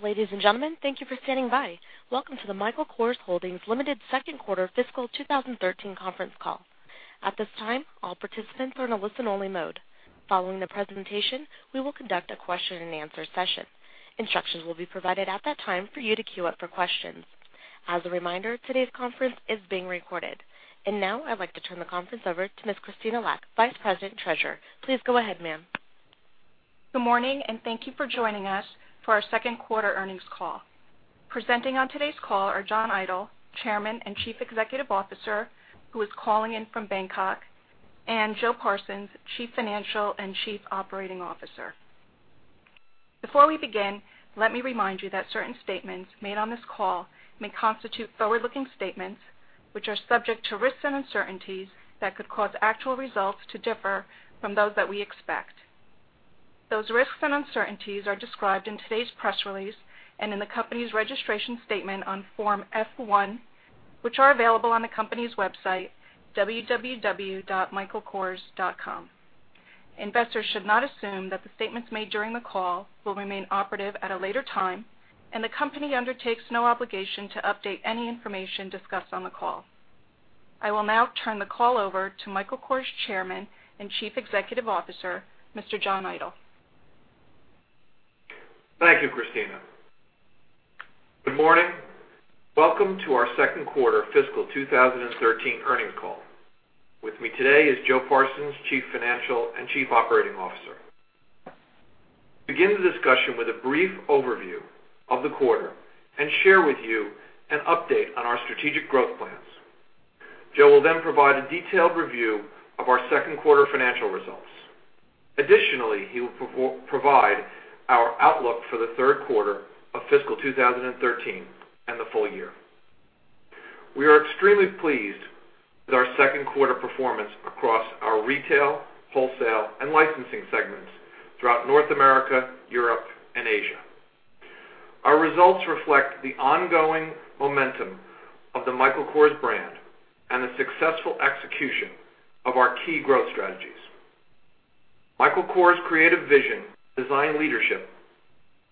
Hello, ladies and gentlemen. Thank you for standing by. Welcome to the Michael Kors Holdings Limited second quarter fiscal 2013 conference call. At this time, all participants are in a listen-only mode. Following the presentation, we will conduct a question and answer session. Instructions will be provided at that time for you to queue up for questions. As a reminder, today's conference is being recorded. Now I'd like to turn the conference over to Ms. Christina Lacc, Vice President Treasurer. Please go ahead, ma'am. Good morning, thank you for joining us for our second quarter earnings call. Presenting on today's call are John Idol, Chairman and Chief Executive Officer, who is calling in from Bangkok, and Joe Parsons, Chief Financial and Chief Operating Officer. Before we begin, let me remind you that certain statements made on this call may constitute forward-looking statements, which are subject to risks and uncertainties that could cause actual results to differ from those that we expect. Those risks and uncertainties are described in today's press release and in the company's registration statement on Form F-1, which are available on the company's website, www.michaelkors.com. Investors should not assume that the statements made during the call will remain operative at a later time, the company undertakes no obligation to update any information discussed on the call. I will now turn the call over to Michael Kors Chairman and Chief Executive Officer, Mr. John Idol. Thank you, Christina. Good morning. Welcome to our second quarter fiscal 2013 earnings call. With me today is Joe Parsons, Chief Financial and Chief Operating Officer. I will begin the discussion with a brief overview of the quarter and share with you an update on our strategic growth plans. Joe will then provide a detailed review of our second quarter financial results. Additionally, he will provide our outlook for the third quarter of fiscal 2013 and the full year. We are extremely pleased with our second quarter performance across our retail, wholesale, and licensing segments throughout North America, Europe, and Asia. Our results reflect the ongoing momentum of the Michael Kors Brand and the successful execution of our key growth strategies. Michael Kors' creative vision, design leadership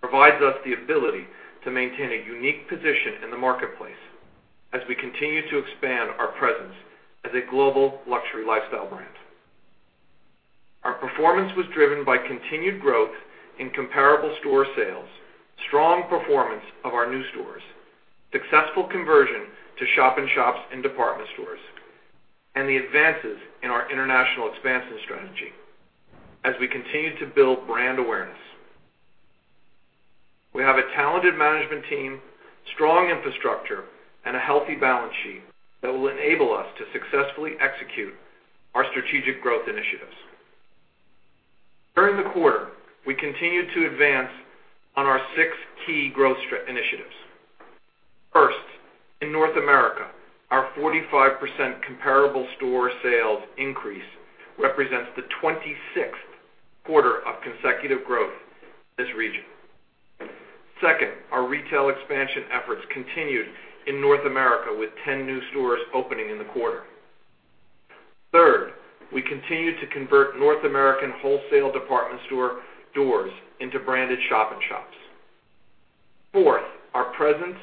provides us the ability to maintain a unique position in the marketplace as we continue to expand our presence as a global luxury lifestyle brand. Our performance was driven by continued growth in comparable store sales, strong performance of our new stores, successful conversion to shop-in-shops in department stores, and the advances in our international expansion strategy as we continue to build brand awareness. We have a talented management team, strong infrastructure, and a healthy balance sheet that will enable us to successfully execute our strategic growth initiatives. During the quarter, we continued to advance on our six key growth initiatives. First, in North America, our 45% comparable store sales increase represents the 26th quarter of consecutive growth in this region. Second, our retail expansion efforts continued in North America with 10 new stores opening in the quarter. Third, we continued to convert North American wholesale department store doors into branded shop-in-shops. Fourth, our presence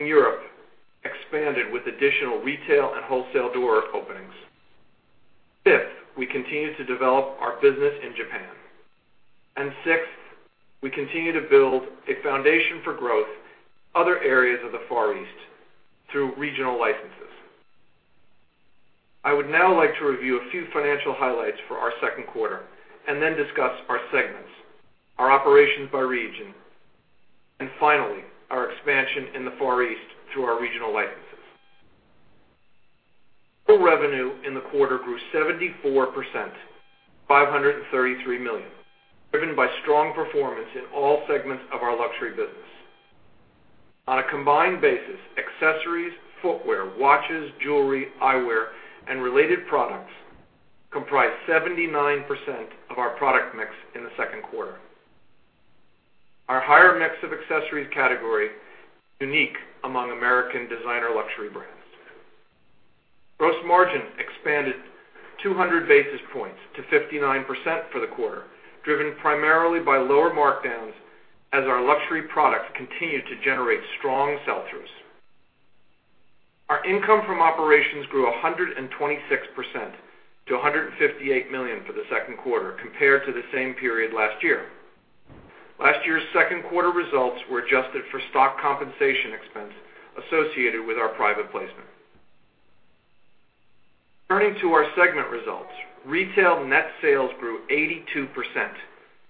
in Europe expanded with additional retail and wholesale door openings. Fifth, we continued to develop our business in Japan. Sixth, we continue to build a foundation for growth other areas of the Far East through regional licenses. I would now like to review a few financial highlights for our second quarter and then discuss our segments, our operations by region, and finally, our expansion in the Far East through our regional licenses. Total revenue in the quarter grew 74%, to $533 million, driven by strong performance in all segments of our luxury business. On a combined basis, accessories, footwear, watches, jewelry, eyewear, and related products comprised 79% of our product mix in the second quarter. Our higher mix of accessories category is unique among American designer luxury brands. Gross margin expanded 200 basis points to 59% for the quarter, driven primarily by lower markdowns as our luxury products continued to generate strong sell-throughs. Our income from operations grew 126% to $158 million for the second quarter compared to the same period last year. Last year's second quarter results were adjusted for stock compensation expense associated with our private placement. Turning to our segment results, retail net sales grew 82%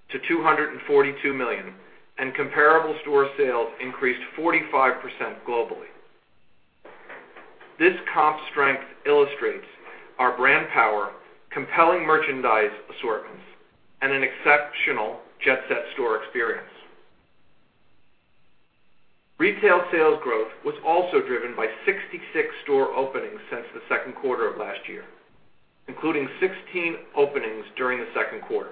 to $242 million, and comparable store sales increased 45% globally. This comp strength illustrates our brand power, compelling merchandise assortments, and an exceptional Jet Set store experience. Retail sales growth was also driven by 66 store openings since the second quarter of last year, including 16 openings during the second quarter.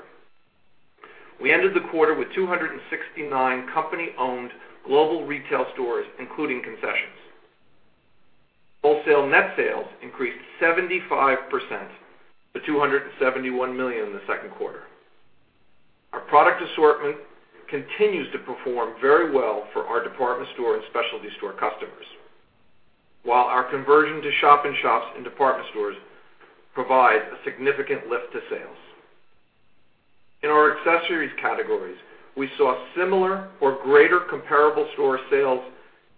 We ended the quarter with 269 company-owned global retail stores, including concessions. Wholesale net sales increased 75%, to $271 million in the second quarter. Our product assortment continues to perform very well for our department store and specialty store customers. While our conversion to shop-in-shops in department stores provides a significant lift to sales. In our accessories categories, we saw similar or greater comparable store sales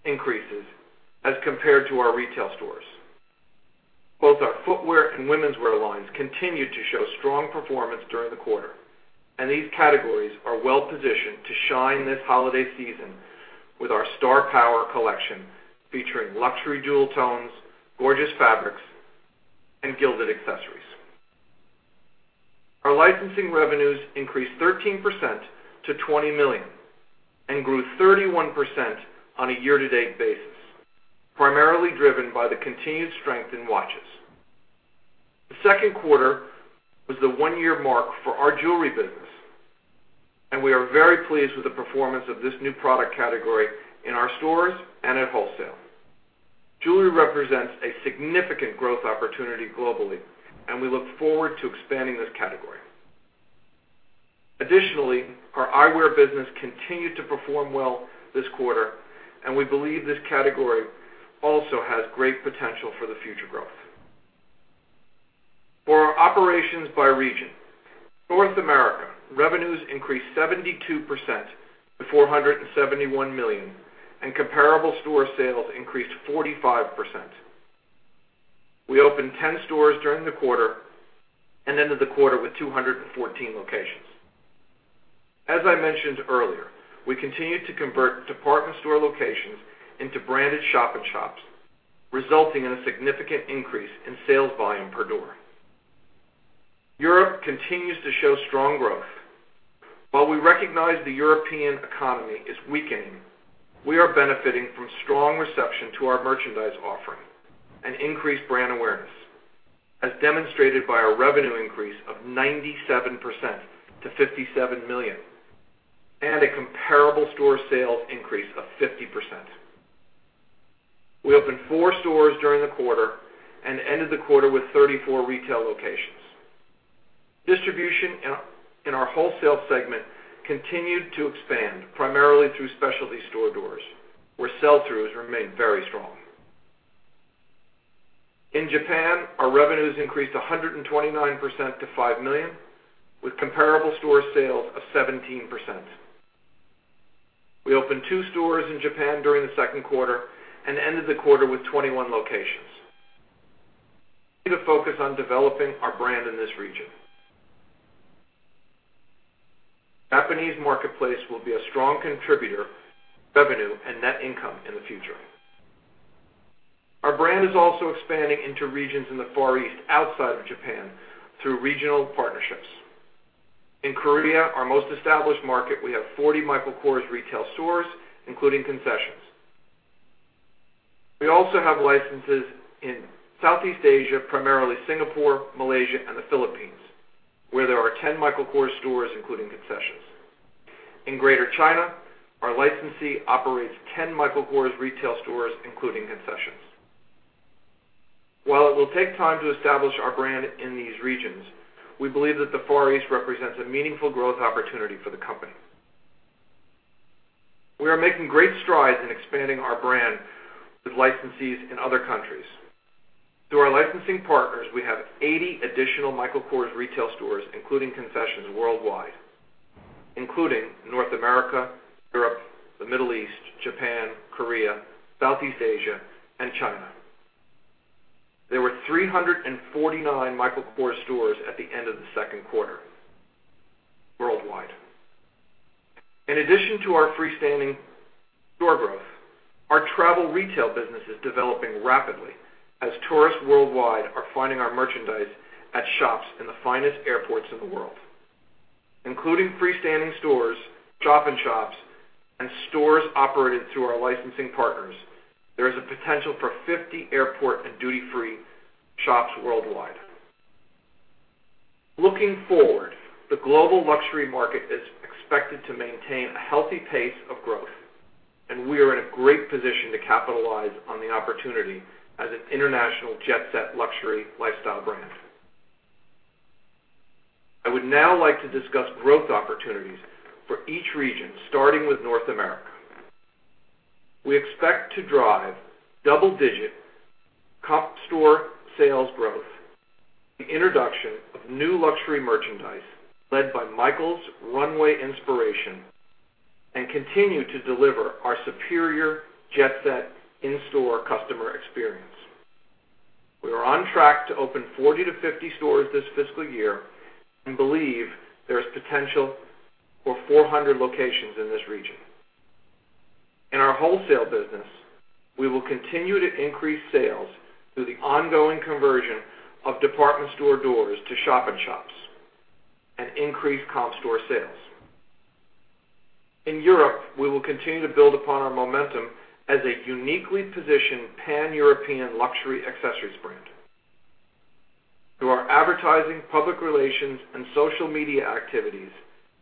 increases as compared to our retail stores. Both our footwear and womenswear lines continued to show strong performance during the quarter, and these categories are well-positioned to shine this holiday season with our Star Power collection, featuring luxury jewel tones, gorgeous fabrics, and gilded accessories. Our licensing revenues increased 13% to $20 million and grew 31% on a year-to-date basis, primarily driven by the continued strength in watches. The second quarter was the one-year mark for our jewelry business, and we are very pleased with the performance of this new product category in our stores and at wholesale. Jewelry represents a significant growth opportunity globally, and we look forward to expanding this category. Additionally, our eyewear business continued to perform well this quarter, and we believe this category also has great potential for the future growth. For our operations by region, North America revenues increased 72% to $471 million, and comparable store sales increased 45%. We opened 10 stores during the quarter and ended the quarter with 214 locations. As I mentioned earlier, we continued to convert department store locations into branded shop-in-shops, resulting in a significant increase in sales volume per door. Europe continues to show strong growth. While we recognize the European economy is weakening, we are benefiting from strong reception to our merchandise offering and increased brand awareness, as demonstrated by a revenue increase of 97% to $57 million, and a comparable store sales increase of 50%. We opened four stores during the quarter and ended the quarter with 34 retail locations. Distribution in our wholesale segment continued to expand, primarily through specialty store doors, where sell-throughs remained very strong. In Japan, our revenues increased 129% to $5 million, with comparable store sales of 17%. We opened two stores in Japan during the second quarter and ended the quarter with 21 locations. We need to focus on developing our brand in this region. Japanese marketplace will be a strong contributor to revenue and net income in the future. Our brand is also expanding into regions in the Far East outside of Japan through regional partnerships. In Korea, our most established market, we have 40 Michael Kors retail stores, including concessions. We also have licenses in Southeast Asia, primarily Singapore, Malaysia, and the Philippines, where there are 10 Michael Kors stores, including concessions. In Greater China, our licensee operates 10 Michael Kors retail stores, including concessions. While it will take time to establish our brand in these regions, we believe that the Far East represents a meaningful growth opportunity for the company. We are making great strides in expanding our brand with licensees in other countries. Through our licensing partners, we have 80 additional Michael Kors retail stores, including concessions worldwide, including North America, Europe, the Middle East, Japan, Korea, Southeast Asia, and China. There were 349 Michael Kors stores at the end of the second quarter worldwide. In addition to our freestanding store growth, our travel retail business is developing rapidly as tourists worldwide are finding our merchandise at shops in the finest airports in the world. Including freestanding stores, shop-in-shops, and stores operated through our licensing partners, there is a potential for 50 airport and duty-free shops worldwide. Looking forward, the global luxury market is expected to maintain a healthy pace of growth. We are in a great position to capitalize on the opportunity as an international Jet Set luxury lifestyle brand. I would now like to discuss growth opportunities for each region, starting with North America. We expect to drive double-digit comp store sales growth with the introduction of new luxury merchandise led by Michael's Runway inspiration and continue to deliver our superior Jet Set in-store customer experience. We are on track to open 40 to 50 stores this fiscal year and believe there is potential for 400 locations in this region. In our wholesale business, we will continue to increase sales through the ongoing conversion of department store doors to shop-in-shops and increase comp store sales. In Europe, we will continue to build upon our momentum as a uniquely positioned pan-European luxury accessories brand. Through our advertising, public relations, and social media activities,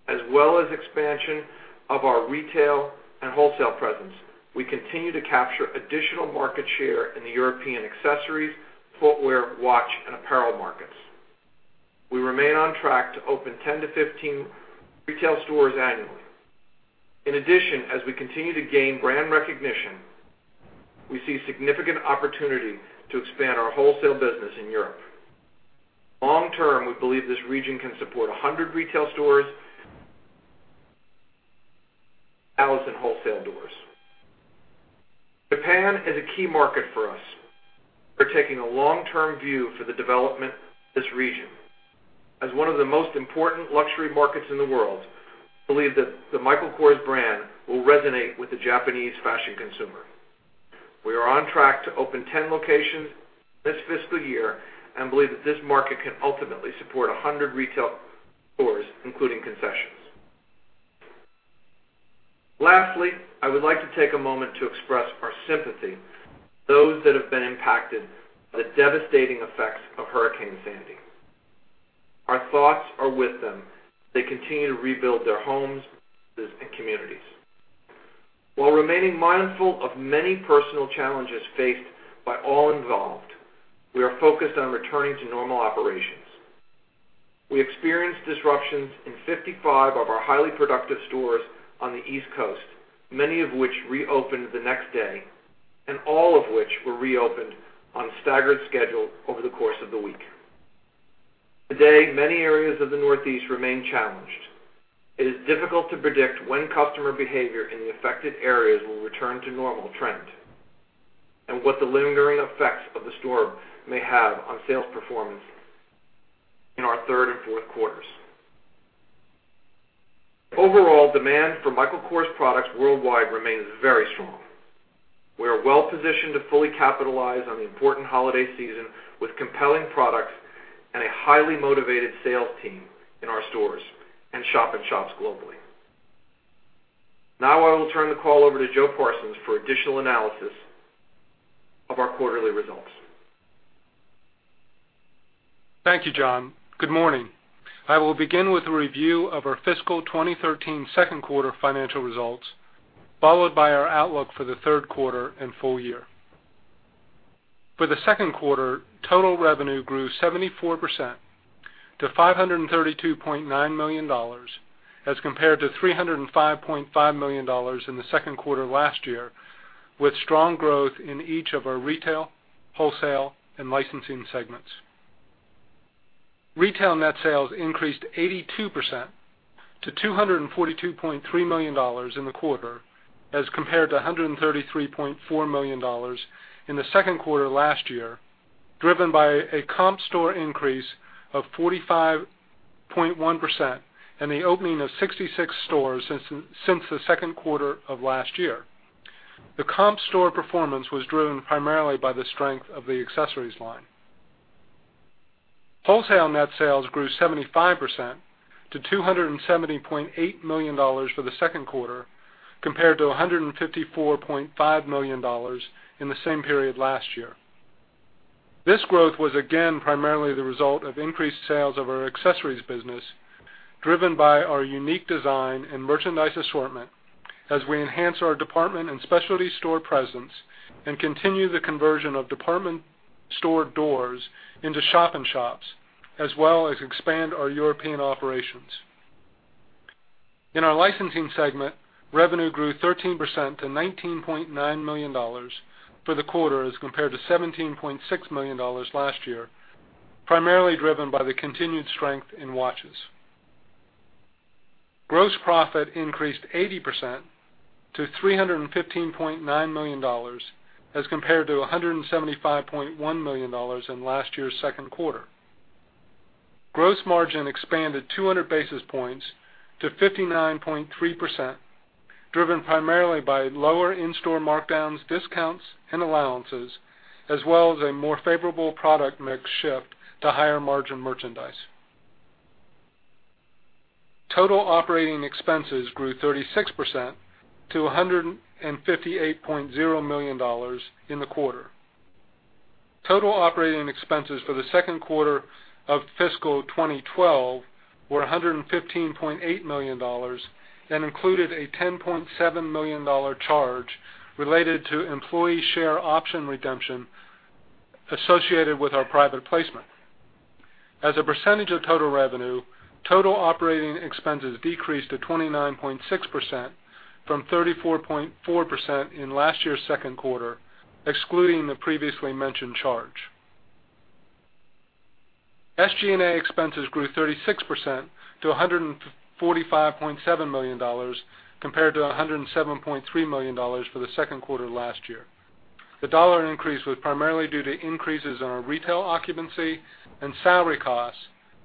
as well as expansion of our retail and wholesale presence, we continue to capture additional market share in the European accessories, footwear, watch, and apparel markets. We remain on track to open 10-15 retail stores annually. In addition, as we continue to gain brand recognition, we see significant opportunity to expand our wholesale business in Europe. Long term, we believe this region can support 100 retail stores and 1,000 wholesale doors. Japan is a key market for us. We're taking a long-term view for the development of this region. As one of the most important luxury markets in the world, we believe that the Michael Kors brand will resonate with the Japanese fashion consumer. We are on track to open 10 locations this fiscal year, and believe that this market can ultimately support 100 retail stores, including concessions. Lastly, I would like to take a moment to express our sympathy to those that have been impacted by the devastating effects of Hurricane Sandy. Our thoughts are with them as they continue to rebuild their homes, businesses, and communities. While remaining mindful of many personal challenges faced by all involved, we are focused on returning to normal operations. We experienced disruptions in 55 of our highly productive stores on the East Coast, many of which reopened the next day, and all of which were reopened on a staggered schedule over the course of the week. Today, many areas of the Northeast remain challenged. It is difficult to predict when customer behavior in the affected areas will return to normal trend and what the lingering effects of the storm may have on sales performance in our third and fourth quarters. Overall, demand for Michael Kors products worldwide remains very strong. We are well-positioned to fully capitalize on the important holiday season with compelling products and a highly motivated sales team in our stores and shop-in-shops globally. I will turn the call over to Joe Parsons for additional analysis of our quarterly results. Thank you, John. Good morning. I will begin with a review of our fiscal 2013 second quarter financial results, followed by our outlook for the third quarter and full year. For the second quarter, total revenue grew 74% to $532.9 million, as compared to $305.5 million in the second quarter last year, with strong growth in each of our retail, wholesale, and licensing segments. Retail net sales increased 82% to $242.3 million in the quarter, as compared to $133.4 million in the second quarter last year, driven by a comp store increase of 45.1% and the opening of 66 stores since the second quarter of last year. The comp store performance was driven primarily by the strength of the accessories line. Wholesale net sales grew 75% to $270.8 million for the second quarter, compared to $154.5 million in the same period last year. This growth was again primarily the result of increased sales of our accessories business, driven by our unique design and merchandise assortment as we enhance our department and specialty store presence and continue the conversion of department store doors into shop-in-shops, as well as expand our European operations. In our licensing segment, revenue grew 13% to $19.9 million for the quarter as compared to $17.6 million last year, primarily driven by the continued strength in watches. Gross profit increased 80% to $315.9 million as compared to $175.1 million in last year's second quarter. Gross margin expanded 200 basis points to 59.3%, driven primarily by lower in-store markdowns, discounts, and allowances, as well as a more favorable product mix shift to higher margin merchandise. Total operating expenses grew 36% to $158.0 million in the quarter. Total operating expenses for the second quarter of fiscal 2012 were $115.8 million and included a $10.7 million charge related to employee share option redemption associated with our private placement. As a percentage of total revenue, total operating expenses decreased to 29.6% from 34.4% in last year's second quarter, excluding the previously mentioned charge. SG&A expenses grew 36% to $145.7 million compared to $107.3 million for the second quarter last year. The dollar increase was primarily due to increases in our retail occupancy and salary costs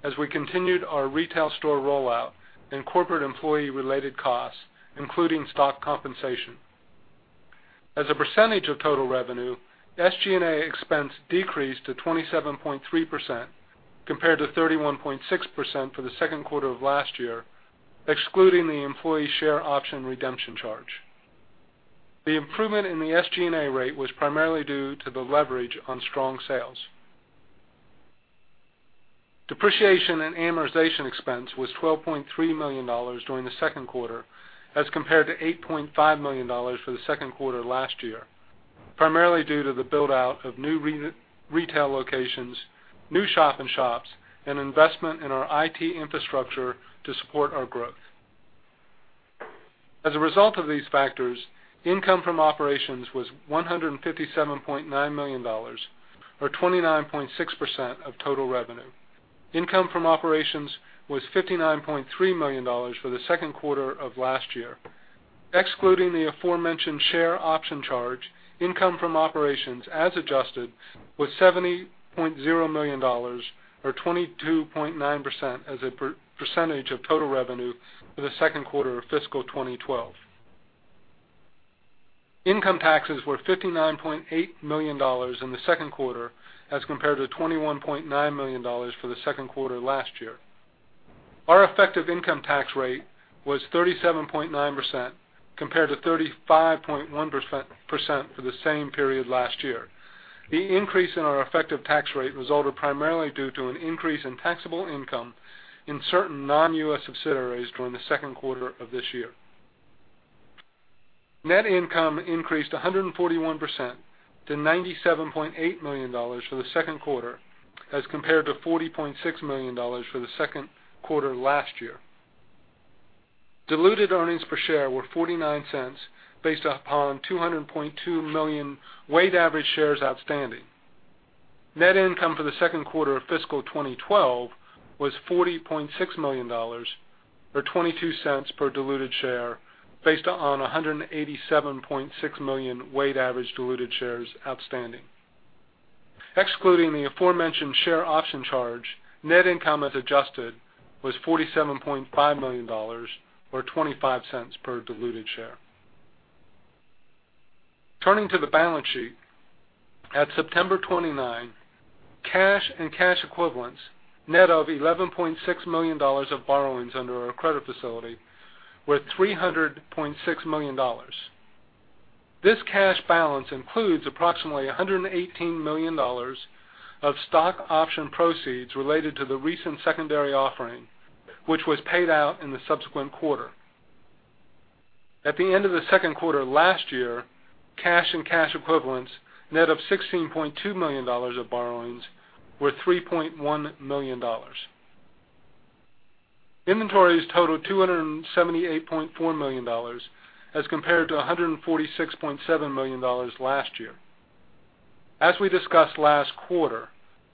as we continued our retail store rollout and corporate employee related costs, including stock compensation. As a percentage of total revenue, SG&A expense decreased to 27.3% compared to 31.6% for the second quarter of last year, excluding the employee share option redemption charge. The improvement in the SG&A rate was primarily due to the leverage on strong sales. Depreciation and amortization expense was $12.3 million during the second quarter as compared to $8.5 million for the second quarter last year, primarily due to the build-out of new retail locations, new shop-in-shops and investment in our IT infrastructure to support our growth. As a result of these factors, income from operations was $157.9 million, or 29.6% of total revenue. Income from operations was $59.3 million for the second quarter of last year. Excluding the aforementioned share option charge, income from operations as adjusted, was $70.0 million or 22.9% as a percentage of total revenue for the second quarter of fiscal 2012. Income taxes were $59.8 million in the second quarter as compared to $21.9 million for the second quarter last year. Our effective income tax rate was 37.9%, compared to 35.1% for the same period last year. The increase in our effective tax rate resulted primarily due to an increase in taxable income in certain non-U.S. subsidiaries during the second quarter of this year. Net income increased 141% to $97.8 million for the second quarter as compared to $40.6 million for the second quarter last year. Diluted earnings per share were $0.49 based upon 200.2 million weighted average shares outstanding. Net income for the second quarter of fiscal 2012 was $40.6 million or $0.22 per diluted share based on 187.6 million weight average diluted shares outstanding. Excluding the aforementioned share option charge, net income as adjusted, was $47.5 million or $0.25 per diluted share. Turning to the balance sheet. At September 29, cash and cash equivalents net of $11.6 million of borrowings under our credit facility were $300.6 million. This cash balance includes approximately $118 million of stock option proceeds related to the recent secondary offering, which was paid out in the subsequent quarter. At the end of the second quarter last year, cash and cash equivalents net of $16.2 million of borrowings were $3.1 million. Inventories totaled $278.4 million as compared to $146.7 million last year. As we discussed last quarter,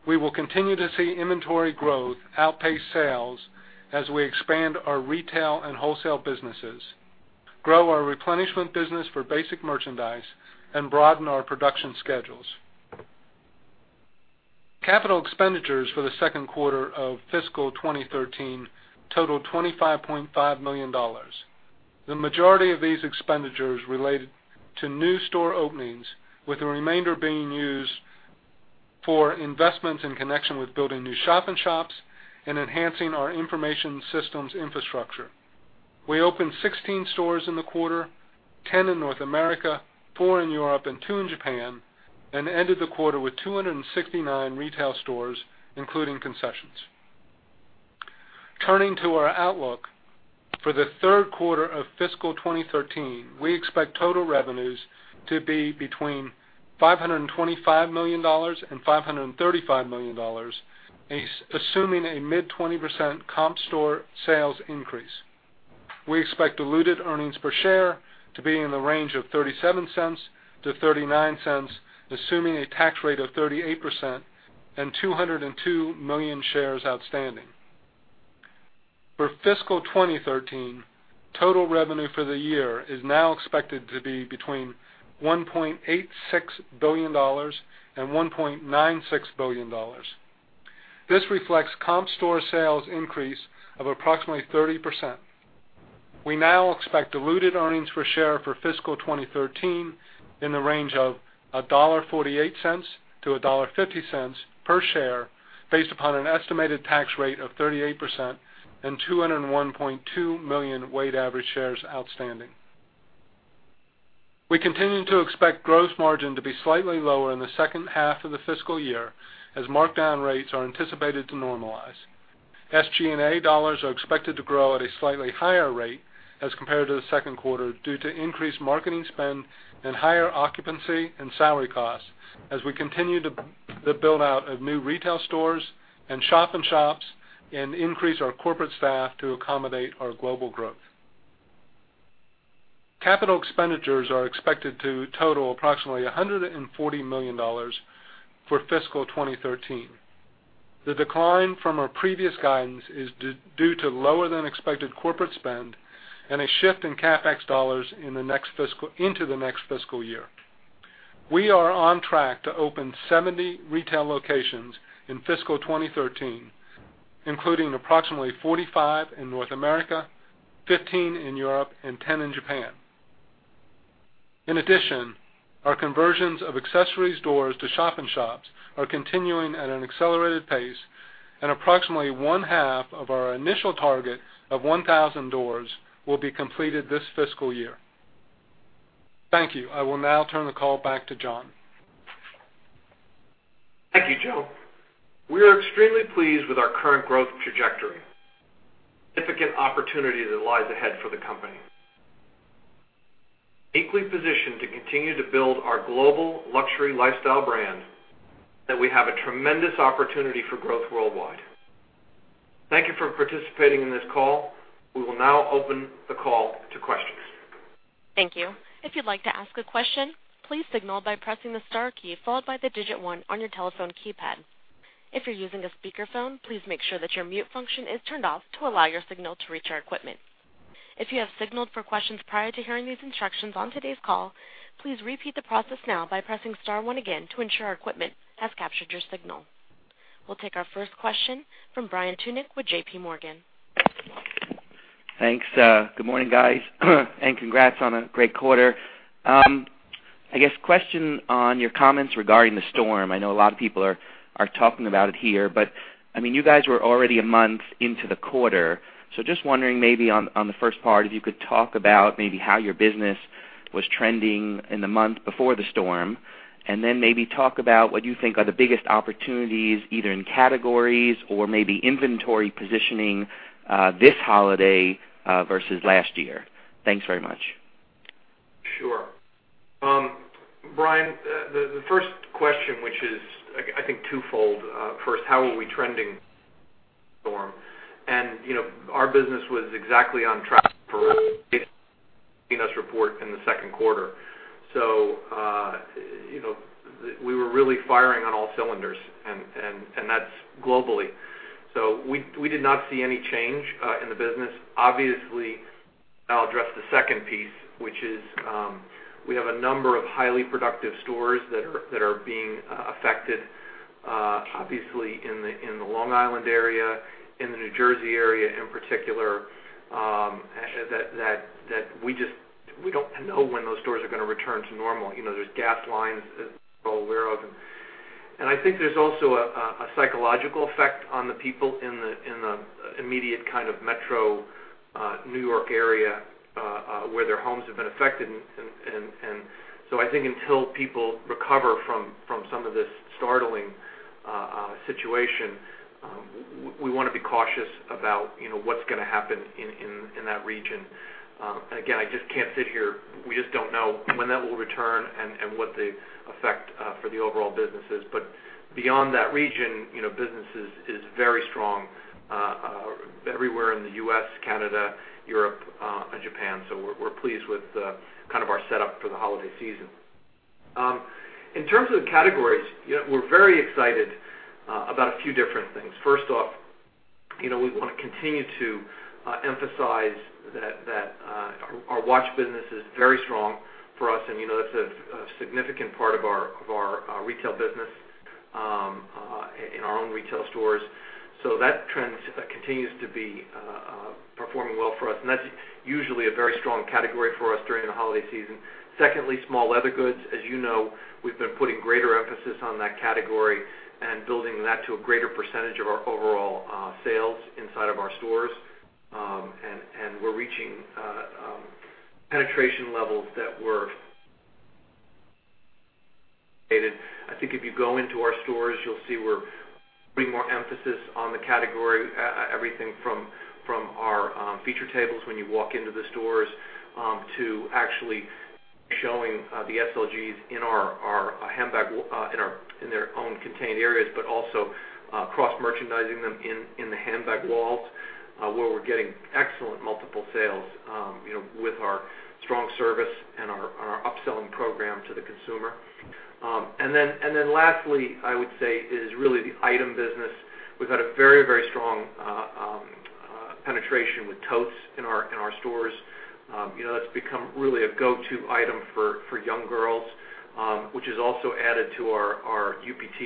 we will continue to see inventory growth outpace sales as we expand our retail and wholesale businesses, grow our replenishment business for basic merchandise, and broaden our production schedules. Capital expenditures for the second quarter of fiscal 2013 totaled $25.5 million. The majority of these expenditures related to new store openings, with the remainder being used for investments in connection with building new shop-in-shops and enhancing our information systems infrastructure. We opened 16 stores in the quarter, 10 in North America, four in Europe and two in Japan, and ended the quarter with 269 retail stores, including concessions. Turning to our outlook. For the third quarter of fiscal 2013, we expect total revenues to be between $525 million and $535 million, assuming a mid-20% comp store sales increase. We expect diluted earnings per share to be in the range of $0.37 to $0.39, assuming a tax rate of 38% and 202 million shares outstanding. For fiscal 2013, total revenue for the year is now expected to be between $1.86 billion and $1.96 billion. This reflects comp store sales increase of approximately 30%. We now expect diluted earnings per share for fiscal 2013 in the range of $1.48 to $1.50 per share, based upon an estimated tax rate of 38% and 201.2 million weight average shares outstanding. We continue to expect gross margin to be slightly lower in the second half of the fiscal year as markdown rates are anticipated to normalize. SG&A dollars are expected to grow at a slightly higher rate as compared to the second quarter due to increased marketing spend and higher occupancy and salary costs as we continue the build-out of new retail stores and shop-in-shops and increase our corporate staff to accommodate our global growth. Capital expenditures are expected to total approximately $140 million for fiscal 2013. The decline from our previous guidance is due to lower than expected corporate spend and a shift in CapEx dollars into the next fiscal year. We are on track to open 70 retail locations in fiscal 2013, including approximately 45 in North America, 15 in Europe and 10 in Japan. Our conversions of accessories stores to shop-in-shops are continuing at an accelerated pace, and approximately one half of our initial target of 1,000 doors will be completed this fiscal year. Thank you. I will now turn the call back to John. Thank you, Joe. We are extremely pleased with our current growth trajectory. Significant opportunity that lies ahead for the company. Uniquely positioned to continue to build our global luxury lifestyle brand, that we have a tremendous opportunity for growth worldwide. Thank you for participating in this call. We will now open the call to questions. Thank you. If you'd like to ask a question, please signal by pressing the star key followed by the digit 1 on your telephone keypad. If you're using a speakerphone, please make sure that your mute function is turned off to allow your signal to reach our equipment. If you have signaled for questions prior to hearing these instructions on today's call, please repeat the process now by pressing star one again to ensure our equipment has captured your signal. We'll take our first question from Brian Tunick with JPMorgan. Thanks. Good morning, guys. Congrats on a great quarter. I guess question on your comments regarding the storm. I know a lot of people are talking about it here. You guys were already a month into the quarter. Just wondering maybe on the first part, if you could talk about maybe how your business was trending in the month before the storm, and then maybe talk about what you think are the biggest opportunities, either in categories or maybe inventory positioning, this holiday versus last year. Thanks very much. Sure. Brian, the first question, which is I think twofold. First, how are we trending, storm. Our business was exactly on track for report in the second quarter. We were really firing on all cylinders, and that's globally. We did not see any change in the business. Obviously, I'll address the second piece, which is, we have a number of highly productive stores that are being affected obviously in the Long Island area, in the New Jersey area in particular, that we don't know when those stores are going to return to normal. There's gas lines as we're all aware of. I think there's also a psychological effect on the people in the immediate kind of metro New York area, where their homes have been affected. I think until people recover from some of this startling situation, we want to be cautious about what's going to happen in that region. Again, I just can't sit here. We just don't know when that will return and what the effect for the overall business is. Beyond that region, business is very strong everywhere in the U.S., Canada, Europe, and Japan. We're pleased with kind of our setup for the holiday season. In terms of the categories, we're very excited about a few different things. First off, we want to continue to emphasize that our watch business is very strong for us, and that's a significant part of our retail business in our own retail stores. That trend continues to be performing well for us, and that's usually a very strong category for us during the holiday season. Secondly, small leather goods. As you know, we've been putting greater emphasis on that category and building that to a greater percentage of our overall sales inside of our stores. We're reaching penetration levels. I think if you go into our stores, you'll see we're putting more emphasis on the category, everything from our feature tables when you walk into the stores, to actually showing the SLGs in their own contained areas, but also cross-merchandising them in the handbag walls, where we're getting excellent multiple sales with our strong service and our upselling program to the consumer. Lastly, I would say, is really the item business. We've had a very strong penetration with totes in our stores. That's become really a go-to item for young girls, which has also added to our UPT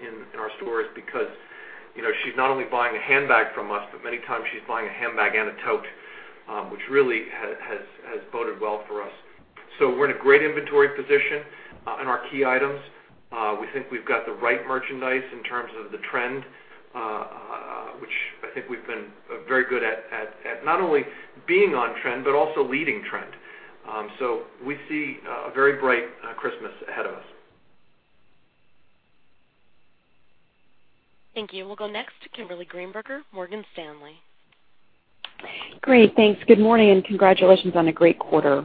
in our stores because she's not only buying a handbag from us, but many times she's buying a handbag and a tote, which really has boded well for us. We're in a great inventory position in our key items. We think we've got the right merchandise in terms of the trend, which I think we've been very good at not only being on trend, but also leading trend. We see a very bright Christmas ahead of us. Thank you. We'll go next to Kimberly Greenberger, Morgan Stanley. Great. Thanks. Good morning, and congratulations on a great quarter.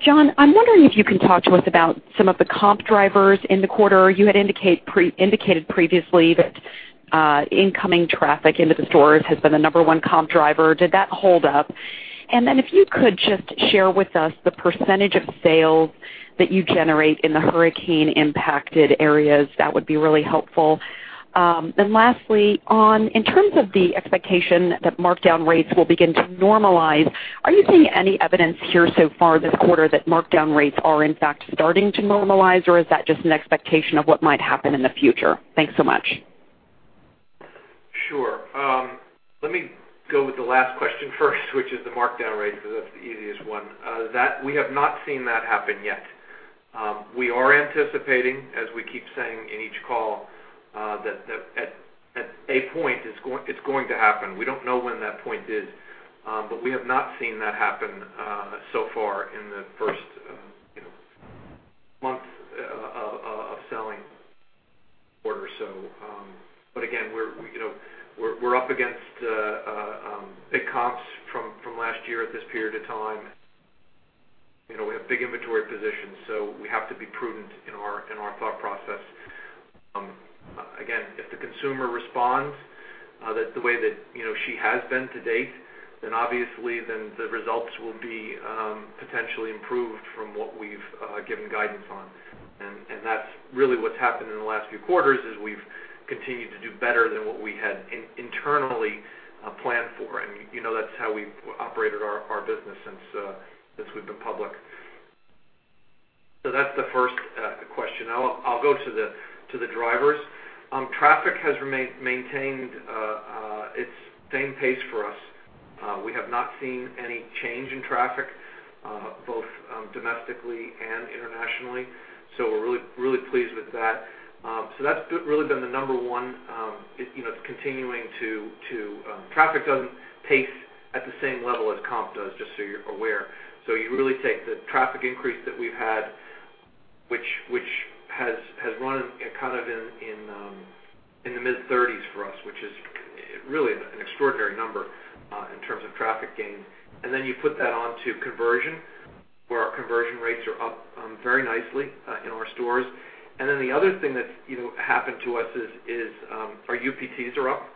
John, I'm wondering if you can talk to us about some of the comp drivers in the quarter. You had indicated previously that incoming traffic into the stores has been the number one comp driver. Did that hold up? If you could just share with us the percentage of sales that you generate in the hurricane-impacted areas, that would be really helpful. Lastly, in terms of the expectation that markdown rates will begin to normalize, are you seeing any evidence here so far this quarter that markdown rates are in fact starting to normalize, or is that just an expectation of what might happen in the future? Thanks so much. Sure. Let me go with the last question first, which is the markdown rate, because that's the easiest one. We have not seen that happen yet. We are anticipating, as we keep saying in each call, that at a point it's going to happen. We don't know when that point is, we have not seen that happen so far in the first month of selling quarter or so. Again, we're up against big comps from last year at this period of time. We have big inventory positions, we have to be prudent in our thought process. Again, if the consumer responds the way that she has been to date, obviously, the results will be potentially improved from what we've given guidance on. That's really what's happened in the last few quarters, is we've continued to do better than what we had internally planned for. That's how we've operated our business since we've been public. That's the first question. I'll go to the drivers. Traffic has maintained its same pace for us. We have not seen any change in traffic both domestically and internationally, we're really pleased with that. That's really been the number one. Traffic doesn't pace at the same level as comp does, just so you're aware. You really take the traffic increase that we've had, which has run in the mid-30s for us, which is really an extraordinary number in terms of traffic gains. You put that onto conversion, where our conversion rates are up very nicely in our stores. The other thing that's happened to us is our UPT are up.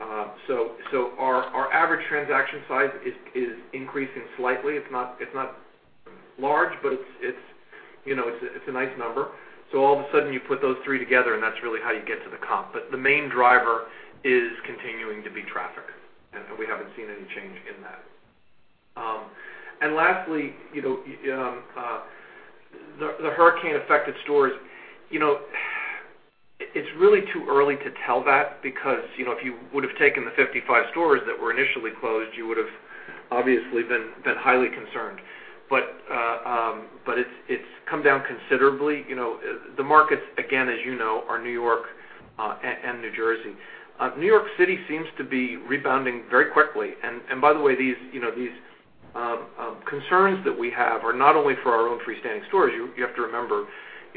Our average transaction size is increasing slightly. It's not large, it's a nice number. All of a sudden you put those three together and that's really how you get to the comp. The main driver is continuing to be traffic, and we haven't seen any change in that. Lastly, the hurricane-affected stores. It's really too early to tell that because if you would've taken the 55 stores that were initially closed, you would've obviously been highly concerned. It's come down considerably. The markets, again, as you know, are New York and New Jersey. New York City seems to be rebounding very quickly. By the way, these concerns that we have are not only for our own freestanding stores. You have to remember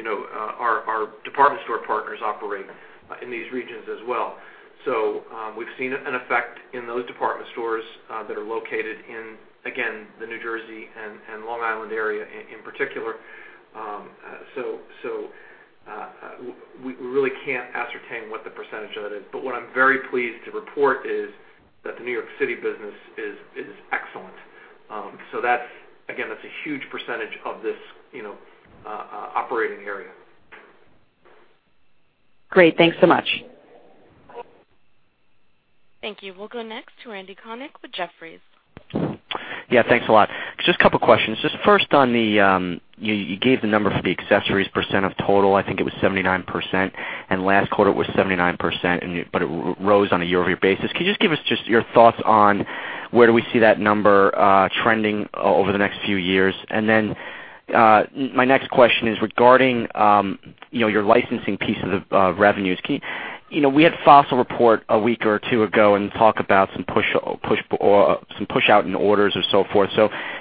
our department store partners operate in these regions as well. We've seen an effect in those department stores that are located in, again, the New Jersey and Long Island area in particular. We really can't ascertain what the % of that is. What I'm very pleased to report is that the New York City business is excellent. Again, that's a huge % of this operating area. Great. Thanks so much. Thank you. We'll go next to Randal Konik with Jefferies. Thanks a lot. Just a couple of questions. First on the, you gave the number for the accessories % of total, I think it was 79%, and last quarter it was 79%, but it rose on a year-over-year basis. Can you just give us your thoughts on where do we see that number trending over the next few years? My next question is regarding your licensing piece of revenues. We had Fossil report a week or two ago and talk about some push out in orders or so forth.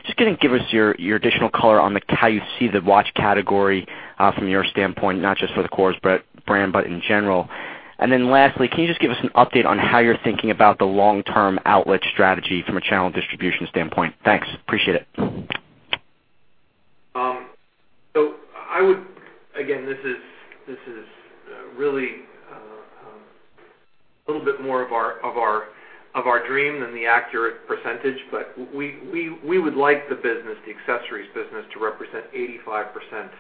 Just give us your additional color on how you see the watch category from your standpoint, not just for the Kors brand, but in general. Lastly, can you just give us an update on how you're thinking about the long-term outlet strategy from a channel distribution standpoint? Thanks. Appreciate it. This is really a little bit more of our dream than the accurate percentage. We would like the business, the accessories business, to represent 85% of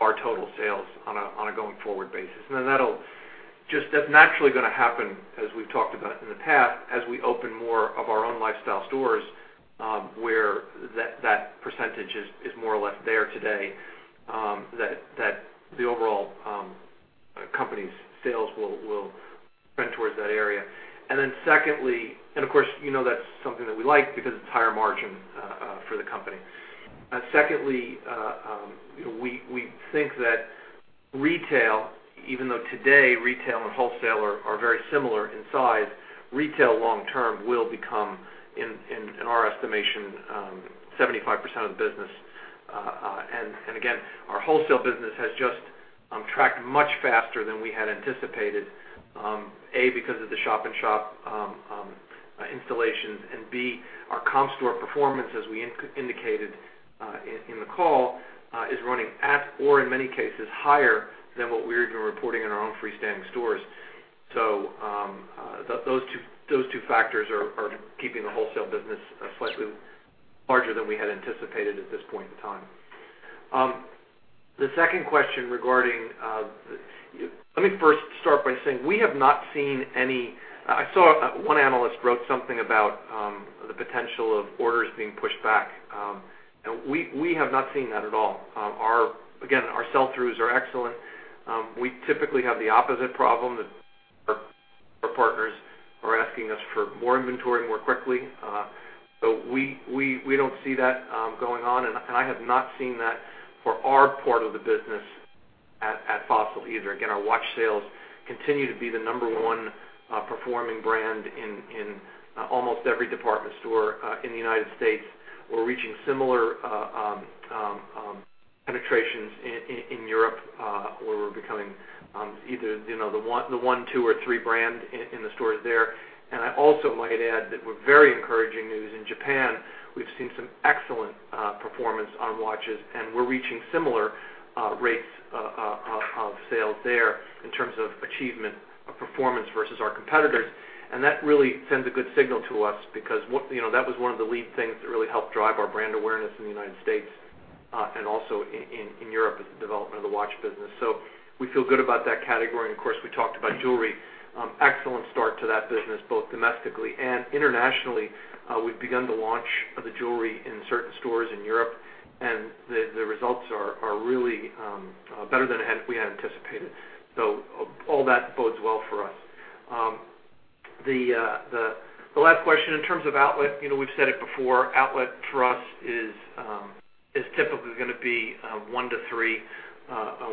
our total sales on a going-forward basis. That's naturally going to happen as we've talked about in the past, as we open more of our own lifestyle stores, where that percentage is more or less there today, that the overall company's sales will trend towards that area. Of course, you know that's something that we like because it's higher margin for the company. Secondly, we think that retail, even though today retail and wholesale are very similar in size, retail long term will become, in our estimation, 75% of the business. Again, our wholesale business has just tracked much faster than we had anticipated. A, because of the shop-in-shop installations, and B, our comp store performance, as we indicated in the call, is running at or in many cases higher than what we're even reporting in our own freestanding stores. Those two factors are keeping the wholesale business slightly larger than we had anticipated at this point in time. Let me first start by saying we have not seen any. I saw one analyst wrote something about the potential of orders being pushed back. We have not seen that at all. Our sell-throughs are excellent. We typically have the opposite problem that Our partners are asking us for more inventory, more quickly. We don't see that going on, and I have not seen that for our part of the business at Fossil either. Our watch sales continue to be the number 1 performing brand in almost every department store in the U.S. We're reaching similar penetrations in Europe, where we're becoming either the one, 2, or 3 brand in the stores there. I also might add that with very encouraging news in Japan, we've seen some excellent performance on watches, and we're reaching similar rates of sales there in terms of achievement of performance versus our competitors. That really sends a good signal to us because that was one of the lead things that really helped drive our brand awareness in the U.S. and also in Europe, is the development of the watch business. We feel good about that category. Of course, we talked about jewelry. Excellent start to that business, both domestically and internationally. We've begun the launch of the jewelry in certain stores in Europe, and the results are really better than we had anticipated. All that bodes well for us. The last question, in terms of outlet, we've said it before, outlet for us is typically going to be 1 to 3.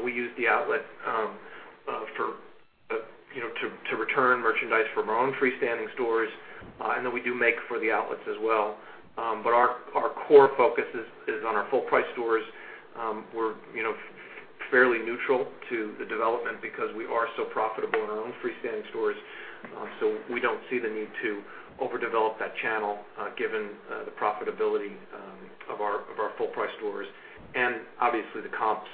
We use the outlet to return merchandise from our own freestanding stores. Then we do make for the outlets as well. Our core focus is on our full-price stores. We're fairly neutral to the development because we are so profitable in our own freestanding stores. We don't see the need to overdevelop that channel, given the profitability of our full-price stores and obviously the comps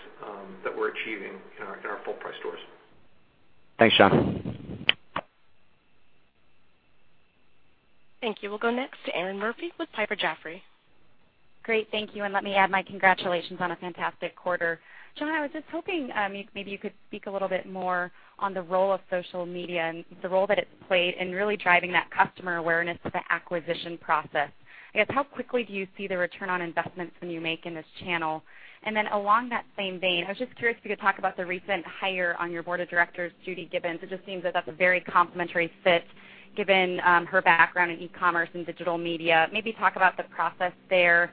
that we're achieving in our full-price stores. Thanks, John. Thank you. We'll go next to Erinn Murphy with Piper Jaffray. Great. Thank you. Let me add my congratulations on a fantastic quarter. John, I was just hoping maybe you could speak a little bit more on the role of social media and the role that it's played in really driving that customer awareness of the acquisition process. I guess, how quickly do you see the return on investments when you make in this channel? Then along that same vein, I was just curious if you could talk about the recent hire on your board of directors, Judy Gibbons. It just seems that that's a very complementary fit, given her background in e-commerce and digital media. Maybe talk about the process there,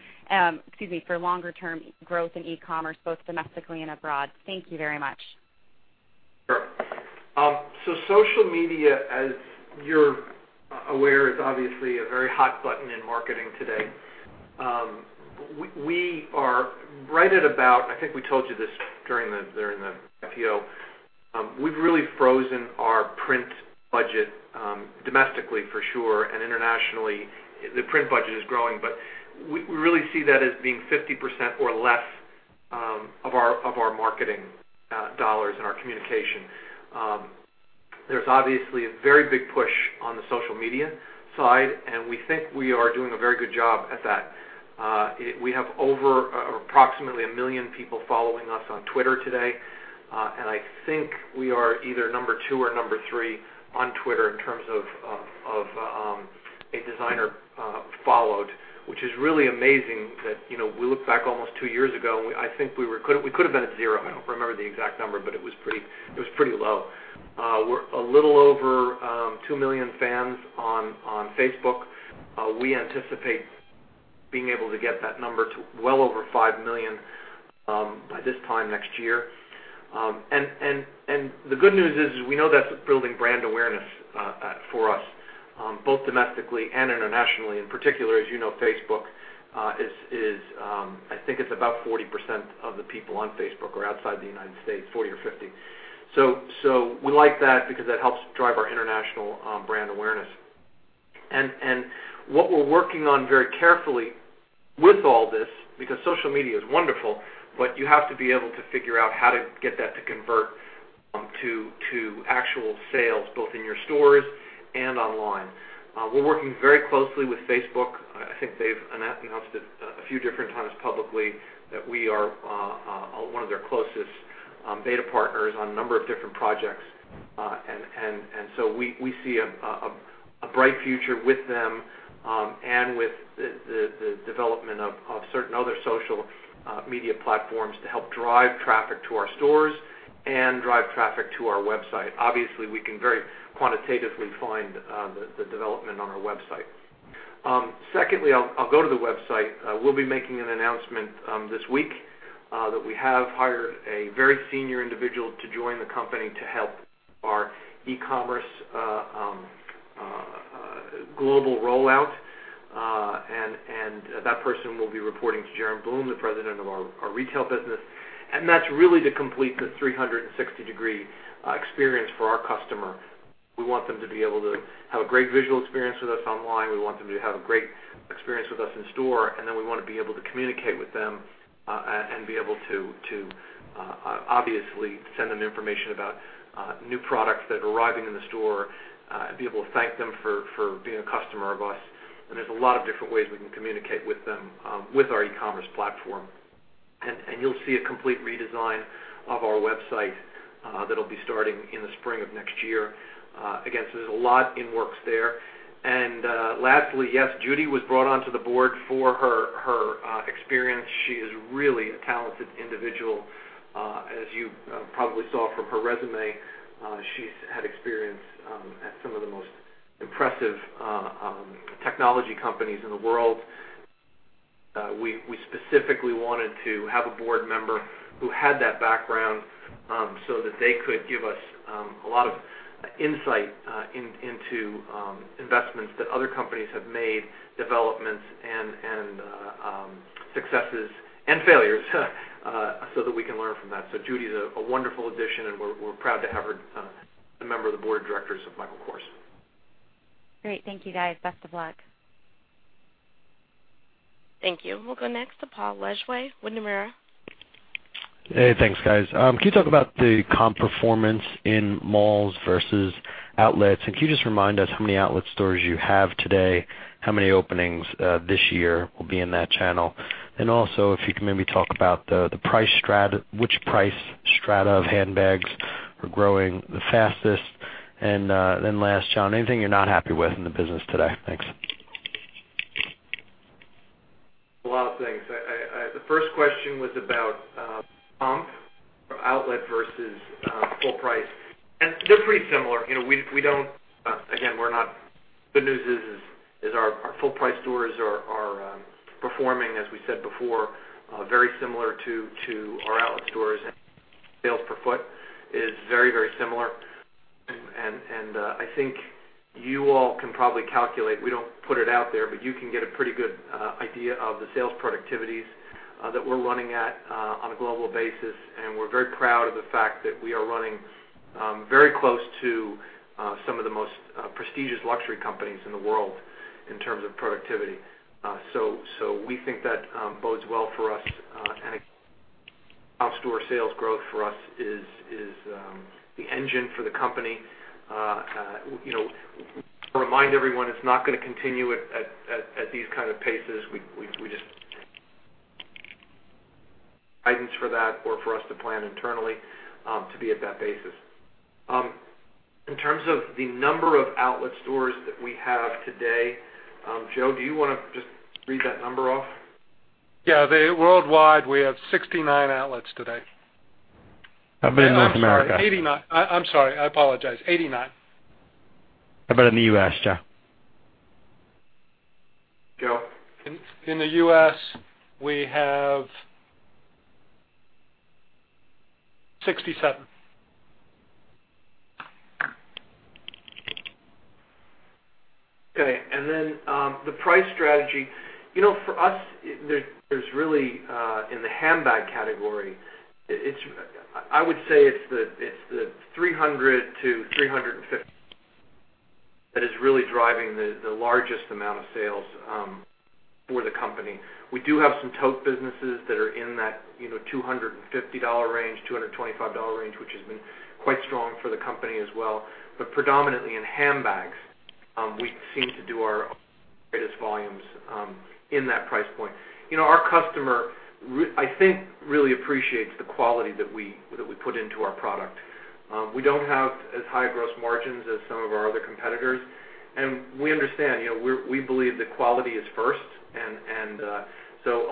excuse me, for longer-term growth in e-commerce, both domestically and abroad. Thank you very much. Social media, as you're aware, is obviously a very hot button in marketing today. We are right at about, I think we told you this during the IPO, we've really frozen our print budget domestically, for sure, and internationally, the print budget is growing, but we really see that as being 50% or less of our marketing dollars in our communication. There's obviously a very big push on the social media side, and we think we are doing a very good job at that. We have over approximately 1 million people following us on Twitter today. I think we are either number 2 or number 3 on Twitter in terms of a designer followed, which is really amazing that we look back almost two years ago. We could've been at zero. I don't remember the exact number, but it was pretty low. We're a little over 2 million fans on Facebook. We anticipate being able to get that number to well over 5 million by this time next year. The good news is we know that's building brand awareness for us both domestically and internationally. In particular, as you know, Facebook is, I think it's about 40% of the people on Facebook are outside the U.S., 40 or 50. We like that because that helps drive our international brand awareness. What we're working on very carefully with all this, because social media is wonderful, but you have to be able to figure out how to get that to convert to actual sales, both in your stores and online. We're working very closely with Facebook. I think they've announced it a few different times publicly that we are one of their closest beta partners on a number of different projects. We see a bright future with them and with the development of certain other social media platforms to help drive traffic to our stores and drive traffic to our website. Obviously, we can very quantitatively find the development on our website. Secondly, I'll go to the website. We'll be making an announcement this week that we have hired a very senior individual to join the company to help our e-commerce global rollout. That person will be reporting to Jaron Bluma, the president of our retail business. That's really to complete the 360-degree experience for our customer. We want them to be able to have a great visual experience with us online. We want them to have a great experience with us in store, we want to be able to communicate with them, be able to obviously send them information about new products that are arriving in the store, be able to thank them for being a customer of us. There's a lot of different ways we can communicate with them with our e-commerce platform. You'll see a complete redesign of our website that'll be starting in the spring of next year. There's a lot in works there. Lastly, yes, Judy was brought onto the board for her experience. She is really a talented individual. As you probably saw from her resume, she's had experience at some of the most impressive technology companies in the world. We specifically wanted to have a board member who had that background so that they could give us a lot of insight into investments that other companies have made, developments and successes and failures so that we can learn from that. Judy is a wonderful addition, and we're proud to have her as a member of the board of directors of Michael Kors. Great. Thank you, guys. Best of luck. Thank you. We'll go next to Paul Weschwey, Wedbush. Hey, thanks, guys. Can you talk about the comp performance in malls versus outlets? Can you just remind us how many outlet stores you have today, how many openings this year will be in that channel? Also, if you can maybe talk about which price strata of handbags are growing the fastest. Last, John, anything you're not happy with in the business today? Thanks. A lot of things. The first question was about comp for outlet versus full price. They're pretty similar. Again, the good news is our full-price stores are performing, as we said before, very similar to our outlet stores. Sales per foot is very similar. I think you all can probably calculate. We don't put it out there, but you can get a pretty good idea of the sales productivities that we're running at on a global basis. We're very proud of the fact that we are running very close to some of the most prestigious luxury companies in the world in terms of productivity. We think that bodes well for us, and off-store sales growth for us is the engine for the company. To remind everyone, it's not going to continue at these kind of paces. Guidance for that or for us to plan internally to be at that basis. In terms of the number of outlet stores that we have today, Joe, do you want to just read that number off? Yeah. Worldwide, we have 69 outlets today. How about in North America? I'm sorry. 89. I'm sorry. I apologize, 89. How about in the U.S., Joe? Joe? In the U.S., we have 67. Okay. The price strata. For us, there's really in the handbag category, I would say it's the $300-$350 that is really driving the largest amount of sales for the company. We do have some tote businesses that are in that $250 range, $225 range, which has been quite strong for the company as well. Predominantly in handbags, we seem to do our greatest volumes in that price point. Our customer, I think, really appreciates the quality that we put into our product. We don't have as high gross margins as some of our other competitors, and we understand. We believe that quality is first, and so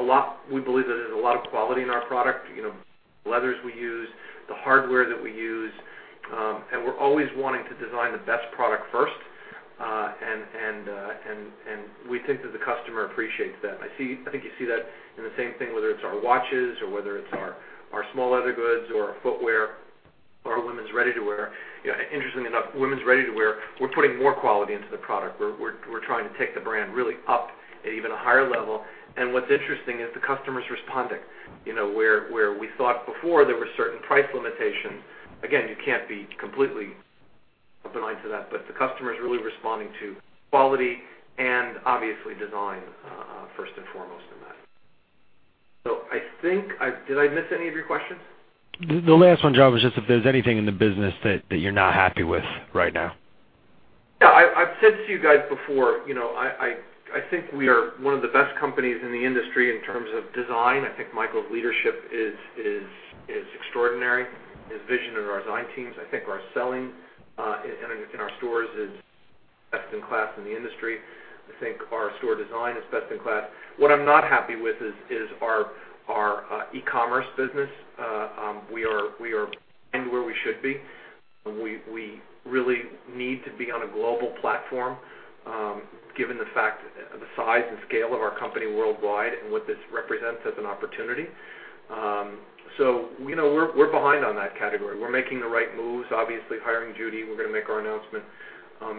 we believe that there's a lot of quality in our product, the leathers we use, the hardware that we use, and we're always wanting to design the best product first, and we think that the customer appreciates that. I think you see that in the same thing, whether it's our watches or whether it's our small leather goods or our footwear or our women's ready-to-wear. Interestingly enough, women's ready-to-wear, we're putting more quality into the product. We're trying to take the brand really up at even a higher level. What's interesting is the customer's responding. Where we thought before there were certain price limitations, again, you can't be completely blind to that, but the customer is really responding to quality and obviously design first and foremost in that. Did I miss any of your questions? The last one, John, was just if there's anything in the business that you're not happy with right now. Yeah. I've said this to you guys before. I think we are one of the best companies in the industry in terms of design. I think Michael's leadership is extraordinary. His vision and our design teams, I think our selling in our stores is best in class in the industry. I think our store design is best in class. What I'm not happy with is our e-commerce business. We are behind where we should be. We really need to be on a global platform given the fact the size and scale of our company worldwide and what this represents as an opportunity. We're behind on that category. We're making the right moves, obviously hiring Judy. We're going to make our announcement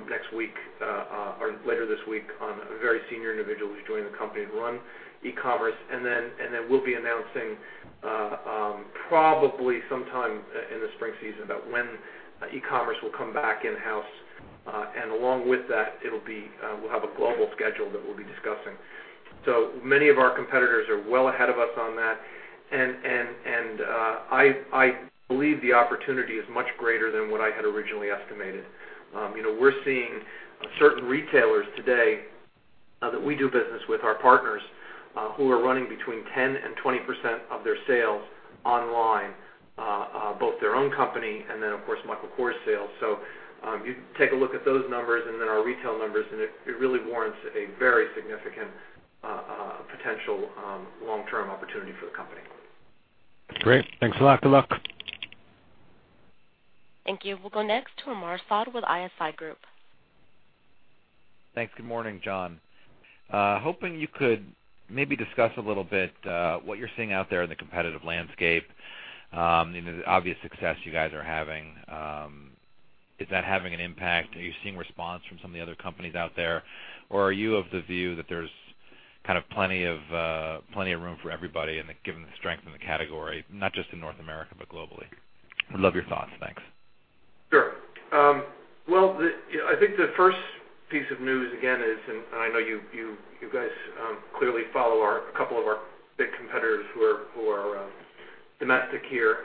next week or later this week on a very senior individual who's joining the company to run e-commerce. We'll be announcing probably sometime in the spring season about when e-commerce will come back in-house. Along with that, we'll have a global schedule that we'll be discussing. Many of our competitors are well ahead of us on that, and I believe the opportunity is much greater than what I had originally estimated. We're seeing certain retailers today that we do business with, our partners, who are running between 10%-20% of their sales online, both their own company and then, of course, Michael Kors sales. You take a look at those numbers and then our retail numbers, and it really warrants a very significant potential long-term opportunity for the company. Great. Thanks a lot. Good luck. Thank you. We'll go next to Omar Saad with ISI Group. Thanks. Good morning, John. Hoping you could maybe discuss a little bit, what you're seeing out there in the competitive landscape. The obvious success you guys are having, is that having an impact? Are you seeing response from some of the other companies out there? Are you of the view that there's plenty of room for everybody, given the strength in the category, not just in North America, but globally? I'd love your thoughts. Thanks. Sure. Well, I think the first piece of news, again is, I know you guys clearly follow a couple of our big competitors who are domestic here,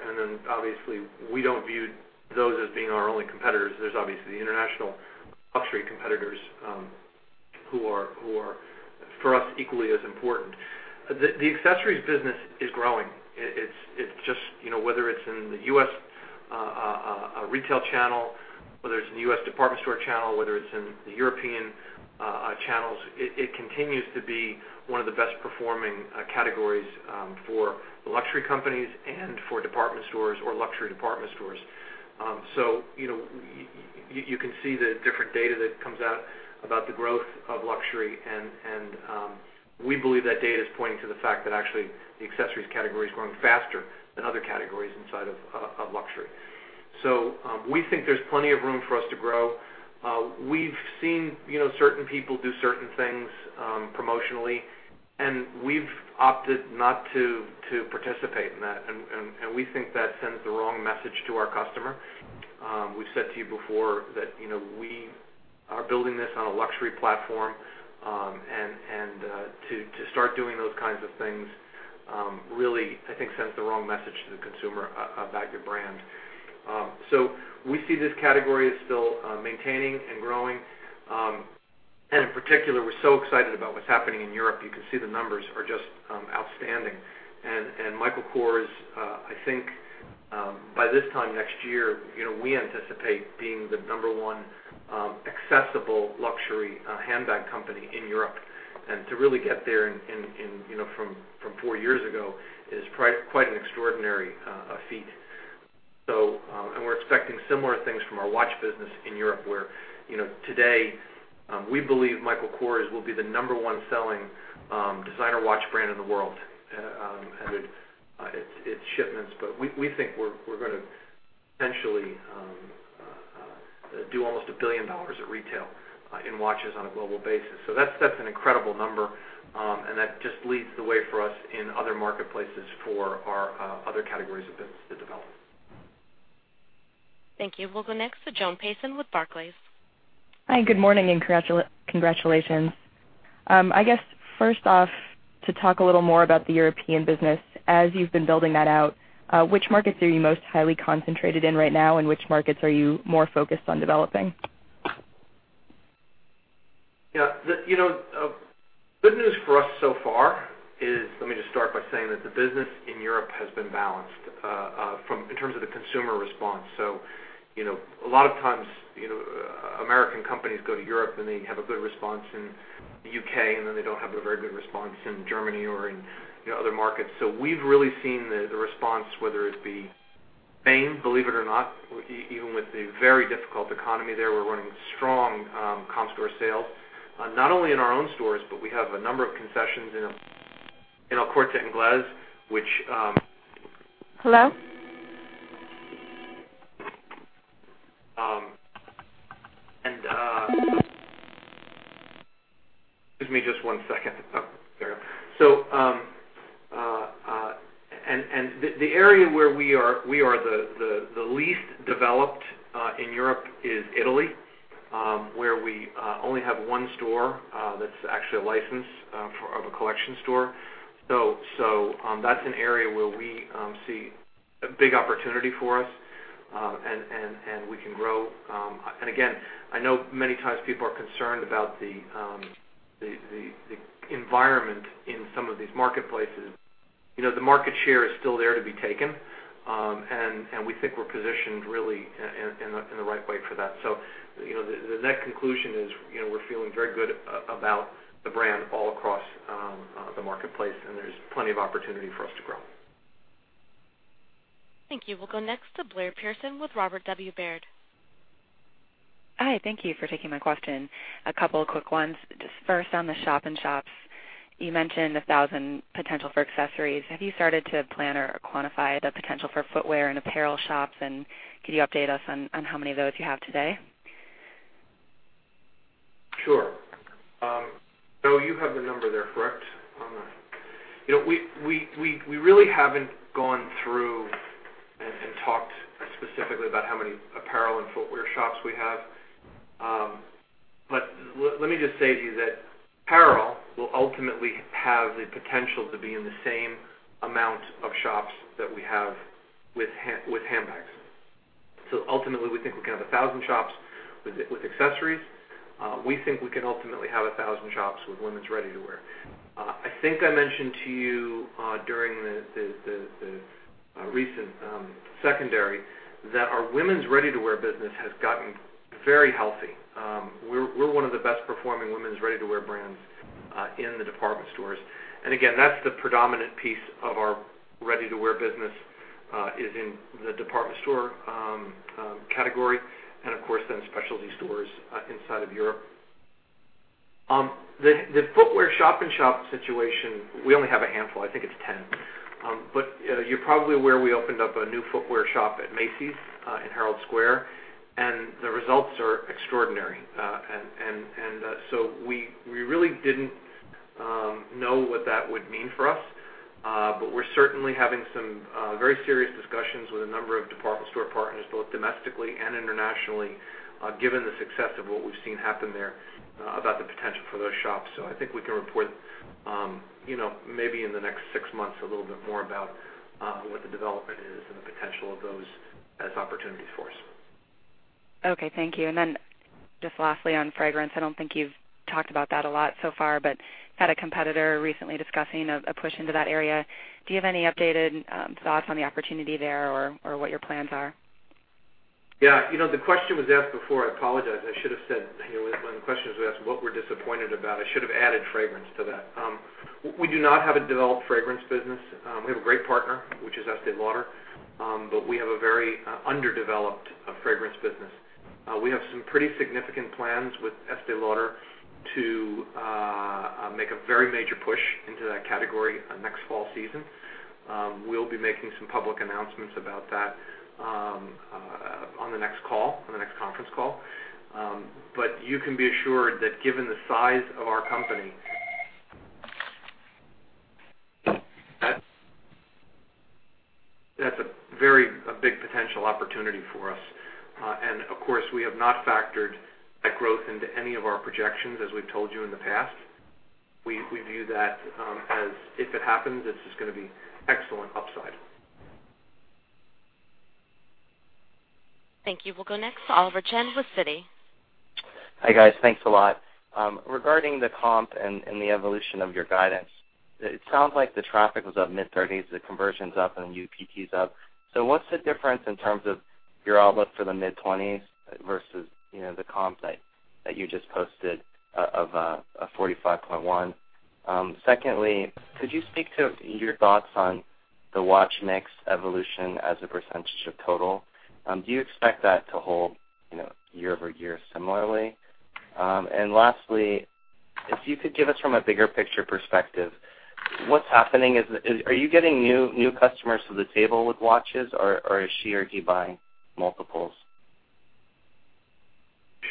obviously we don't view those as being our only competitors. There's obviously international luxury competitors, who are, for us, equally as important. The accessories business is growing. Whether it's in the U.S. retail channel, whether it's in the U.S. department store channel, whether it's in the European channels, it continues to be one of the best performing categories, for luxury companies and for department stores or luxury department stores. You can see the different data that comes out about the growth of luxury, we believe that data's pointing to the fact that actually the accessories category is growing faster than other categories inside of luxury. We think there's plenty of room for us to grow. We've seen certain people do certain things promotionally, we've opted not to participate in that. We think that sends the wrong message to our customer. We've said to you before that we are building this on a luxury platform, to start doing those kinds of things, really, I think, sends the wrong message to the consumer about your brand. We see this category as still maintaining and growing. In particular, we're so excited about what's happening in Europe. You can see the numbers are just outstanding. Michael Kors, I think, by this time next year, we anticipate being the number one accessible luxury handbag company in Europe. To really get there from four years ago is quite an extraordinary feat. We're expecting similar things from our watch business in Europe, where today we believe Michael Kors will be the number 1 selling designer watch brand in the world in shipments. We think we're going to potentially do almost $1 billion at retail in watches on a global basis. That's an incredible number, and that just leads the way for us in other marketplaces for our other categories of business to develop. Thank you. We'll go next to Joan Payson with Barclays. Hi. Good morning and congratulations. I guess first off, to talk a little more about the European business. As you've been building that out, which markets are you most highly concentrated in right now, and which markets are you more focused on developing? Yeah. The good news for us so far is, let me just start by saying that the business in Europe has been balanced in terms of the consumer response. A lot of times, American companies go to Europe and they have a good response in the U.K., and then they don't have a very good response in Germany or in other markets. We've really seen the response, whether it be Spain, believe it or not, even with the very difficult economy there, we're running strong comp store sales, not only in our own stores, but we have a number of concessions in El Corte Inglés. Hello? Give me just one second. There we go. The area where we are the least developed in Europe is Italy, where we only have one store that's actually a license of a collection store. That's an area where we see a big opportunity for us, and we can grow. Again, I know many times people are concerned about the environment in some of these marketplaces. The market share is still there to be taken, and we think we're positioned really in the right way for that. The net conclusion is we're feeling very good about the brand all across the marketplace, and there's plenty of opportunity for us to grow. Thank you. We'll go next to Blair Pearson with Robert W. Baird. Hi. Thank you for taking my question. A couple of quick ones. Just first on the shop in shops, you mentioned 1,000 potential for accessories. Have you started to plan or quantify the potential for footwear and apparel shops? Could you update us on how many of those you have today? Sure. Bo, you have the number there, correct? We really haven't gone through and talked specifically about how many apparel and footwear shops we have. Let me just say to you that apparel will ultimately have the potential to be in the same amount of shops that we have with handbags. Ultimately, we think we can have 1,000 shops with accessories. We think we can ultimately have 1,000 shops with women's ready-to-wear. I think I mentioned to you during the recent secondary that our women's ready-to-wear business has gotten very healthy. We're one of the best performing women's ready-to-wear brands in the department stores. Again, that's the predominant piece of our ready-to-wear business is in the department store category and of course, then specialty stores inside of Europe. The footwear shop-in-shop situation, we only have a handful, I think it's 10. You're probably aware, we opened up a new footwear shop at Macy's in Herald Square, and the results are extraordinary. We really didn't know what that would mean for us. We're certainly having some very serious discussions with a number of department store partners, both domestically and internationally, given the success of what we've seen happen there about the potential for those shops. I think we can report maybe in the next 6 months, a little bit more about what the development is and the potential of those as opportunities for us. Okay, thank you. Just lastly, on fragrance, I don't think you've talked about that a lot so far, had a competitor recently discussing a push into that area. Do you have any updated thoughts on the opportunity there or what your plans are? Yeah. The question was asked before. I apologize. I should have said, when the question was asked, what we're disappointed about, I should have added fragrance to that. We do not have a developed fragrance business. We have a great partner, which is Estée Lauder. We have a very underdeveloped fragrance business. We have some pretty significant plans with Estée Lauder to make a very major push into that category next fall season. We'll be making some public announcements about that on the next conference call. You can be assured that given the size of our company, that's a very big potential opportunity for us. Of course, we have not factored that growth into any of our projections, as we've told you in the past. We view that as if it happens, it's just going to be excellent upside. Thank you. We'll go next to Oliver Chen with Citi. Hi, guys. Thanks a lot. Regarding the comp and the evolution of your guidance, it sounds like the traffic was up mid-30s%, the conversion's up, and UPT is up. What's the difference in terms of your outlook for the mid-20s% versus the comp that you just posted of 45.1%? Secondly, could you speak to your thoughts on the watch mix evolution as a percentage of total? Do you expect that to hold year-over-year similarly? Lastly, if you could give us from a bigger picture perspective, what's happening? Are you getting new customers to the table with watches, or is she or he buying multiples?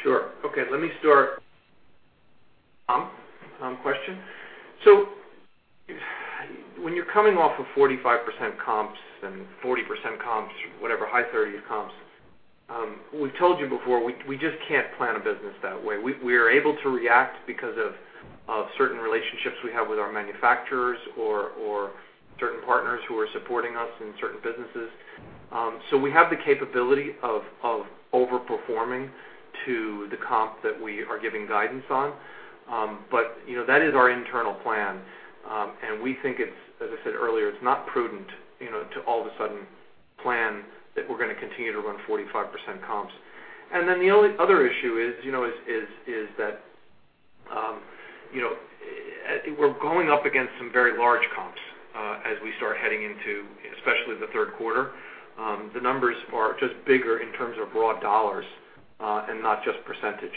Sure. Okay. Let me start with the comp question. When you're coming off of 45% comps and 40% comps, whatever, high 30s% comps, we've told you before, we just can't plan a business that way. We are able to react because of certain relationships we have with our manufacturers or certain partners who are supporting us in certain businesses. We have the capability of over-performing to the comp that we are giving guidance on. That is our internal plan, and we think it's, as I said earlier, it's not prudent to all of a sudden plan that we're going to continue to run 45% comps. The only other issue is that we're going up against some very large comps as we start heading into, especially the third quarter. The numbers are just bigger in terms of raw dollars and not just percentage.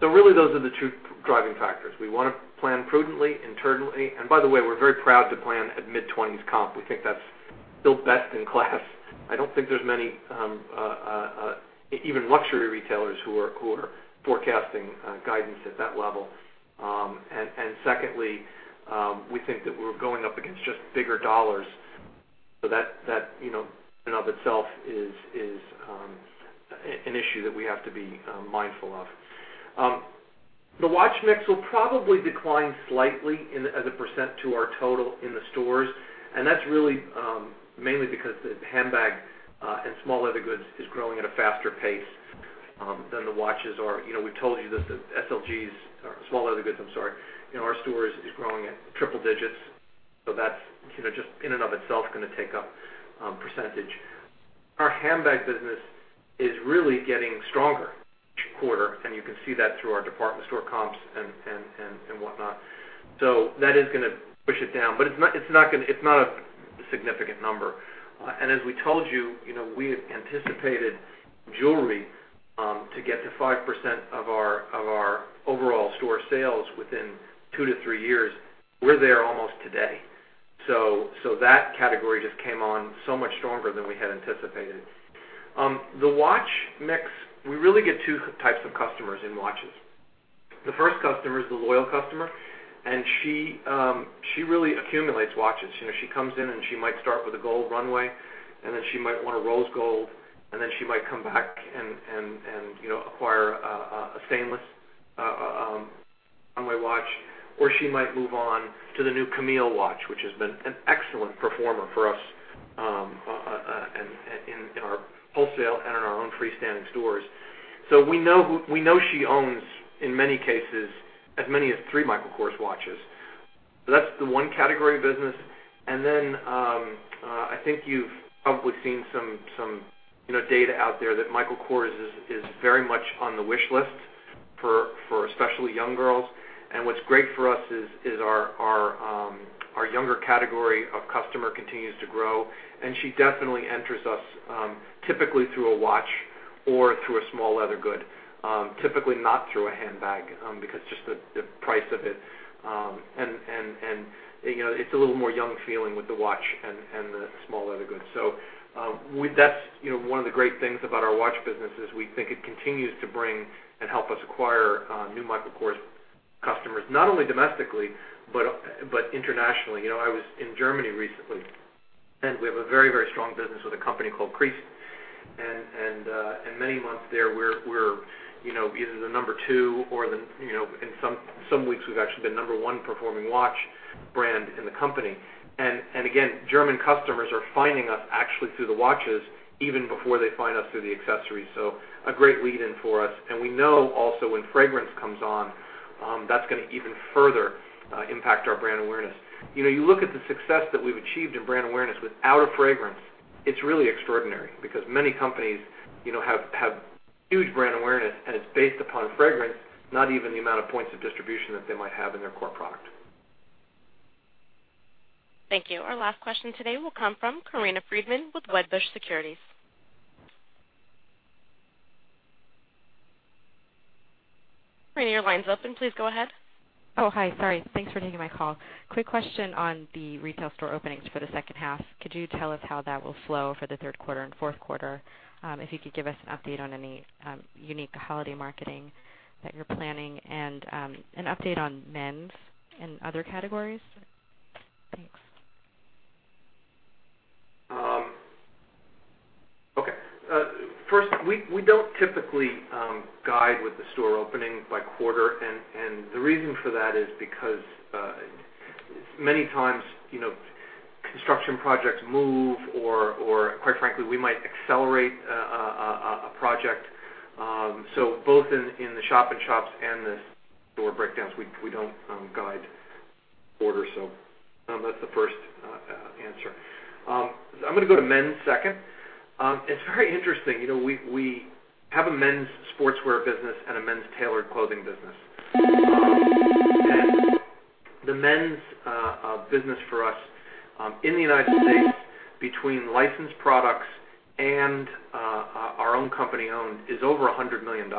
Really, those are the two driving factors. We want to plan prudently, internally. By the way, we're very proud to plan at mid-20s% comp. We think that's still best in class. I don't think there's many, even luxury retailers who are forecasting guidance at that level. Secondly, we think that we're going up against just bigger dollars. That in and of itself is an issue that we have to be mindful of. The watch mix will probably decline slightly as a percent to our total in the stores, and that's really mainly because the handbag and small leather goods is growing at a faster pace than the watches are. We've told you this, that SLGs, small leather goods, I'm sorry, in our stores is growing at triple digits. That's just in and of itself going to take up percentage. Our handbag business is really getting stronger each quarter, and you can see that through our department store comps and whatnot. That is going to push it down, but it's not a significant number. As we told you, we had anticipated jewelry to get to 5% of our overall store sales within two to three years. We're there almost today. That category just came on so much stronger than we had anticipated. The watch mix, we really get 2 types of customers in watches. The first customer is the loyal customer, and she really accumulates watches. She comes in and she might start with a gold Runway, then she might want a rose gold, then she might come back and acquire a stainless Runway watch, or she might move on to the new Camille watch, which has been an excellent performer for us in our wholesale and in our own freestanding stores. We know she owns, in many cases, as many as three Michael Kors watches. That's the one category of business. Then I think you've probably seen some data out there that Michael Kors is very much on the wish list for especially young girls. What's great for us is our younger category of customer continues to grow, and she definitely enters us, typically through a watch or through a small leather good. Typically not through a handbag, because just the price of it. It's a little more young feeling with the watch and the small leather goods. That's one of the great things about our watch business is we think it continues to bring and help us acquire new Michael Kors customers, not only domestically but internationally. I was in Germany recently, and we have a very strong business with a company called Christ. Many months there, we're either the number 2 or in some weeks we've actually been number 1 performing watch brand in the company. Again, German customers are finding us actually through the watches even before they find us through the accessories. A great lead-in for us. We know also when fragrance comes on, that's going to even further impact our brand awareness. You look at the success that we've achieved in brand awareness without a fragrance, it's really extraordinary because many companies have huge brand awareness, and it's based upon fragrance, not even the amount of points of distribution that they might have in their core product. Thank you. Our last question today will come from Corinna Freedman with Wedbush Securities. Corinna, your line's open. Please go ahead. Oh, hi. Sorry. Thanks for taking my call. Quick question on the retail store openings for the second half. Could you tell us how that will flow for the third quarter and fourth quarter? If you could give us an update on any unique holiday marketing that you're planning and an update on men's and other categories. Thanks. Okay. First, we don't typically guide with the store opening by quarter. The reason for that is because many times construction projects move or quite frankly, we might accelerate a project. Both in the shop and shops and the store breakdowns, we don't guide quarter. That's the first answer. I'm going to go to men's second. It's very interesting. We have a men's sportswear business and a men's tailored clothing business. The men's business for us in the U.S. between licensed products and our own company-owned is over $100 million.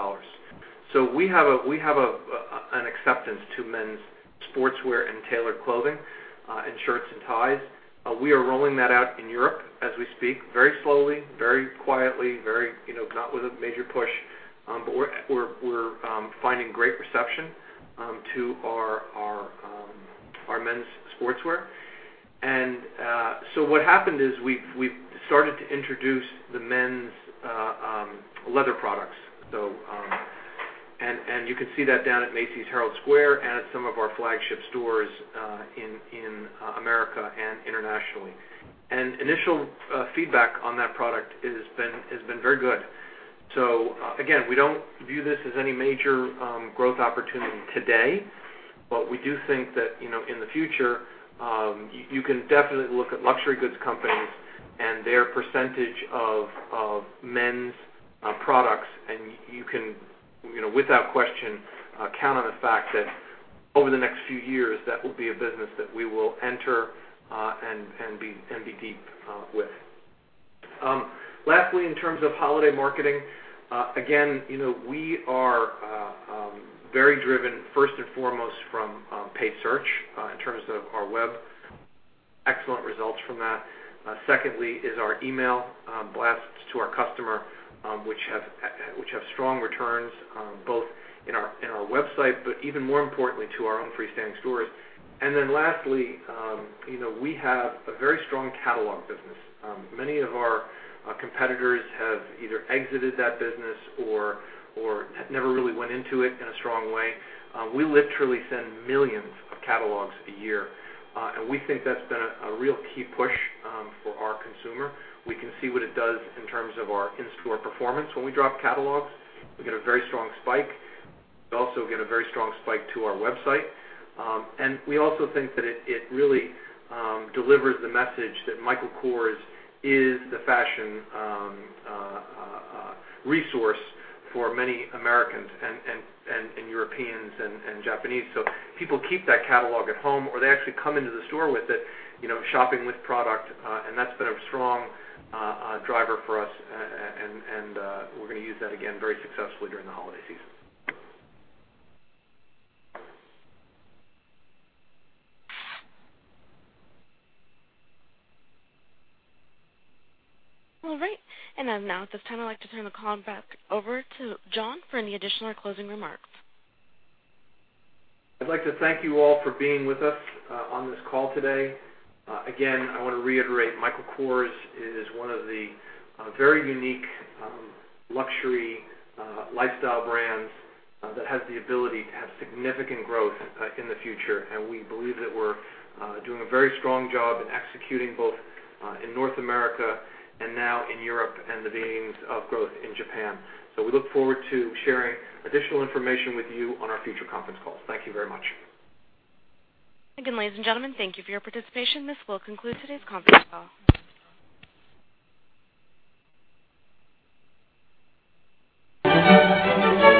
We have an acceptance to men's sportswear and tailored clothing and shirts and ties. We are rolling that out in Europe as we speak, very slowly, very quietly, not with a major push. We're finding great reception to our men's sportswear. What happened is we've started to introduce the men's leather products. You can see that down at Macy's Herald Square and at some of our flagship stores in America and internationally. Initial feedback on that product has been very good. Again, we don't view this as any major growth opportunity today, but we do think that in the future, you can definitely look at luxury goods companies and their percentage of men's products, and you can, without question, count on the fact that over the next few years, that will be a business that we will enter and be deep with. Lastly, in terms of holiday marketing, again, we are very driven, first and foremost from paid search in terms of our web. Excellent results from that. Secondly is our email blasts to our customer which have strong returns both in our website, but even more importantly to our own freestanding stores. Lastly, we have a very strong catalog business. Many of our competitors have either exited that business or never really went into it in a strong way. We literally send millions of catalogs a year. We think that's been a real key push for our consumer. We can see what it does in terms of our in-store performance when we drop catalogs. We get a very strong spike. We also get a very strong spike to our website. We also think that it really delivers the message that Michael Kors is the fashion resource for many Americans and Europeans and Japanese. People keep that catalog at home, or they actually come into the store with it, shopping with product. That's been a strong driver for us, and we're going to use that again very successfully during the holiday season. All right. Now at this time, I'd like to turn the call back over to John for any additional or closing remarks. I'd like to thank you all for being with us on this call today. Again, I want to reiterate, Michael Kors is one of the very unique luxury lifestyle brands that has the ability to have significant growth in the future. We believe that we're doing a very strong job in executing both in North America and now in Europe and the beginnings of growth in Japan. We look forward to sharing additional information with you on our future conference calls. Thank you very much. Again, ladies and gentlemen, thank you for your participation. This will conclude today's conference call.